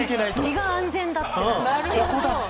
身が安全だってなって。